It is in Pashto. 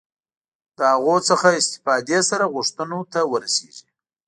له هغوی څخه استفادې سره غوښتنو ته ورسېږي.